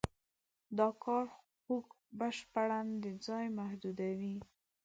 دا کار خوک بشپړاً د ځای محدودوي.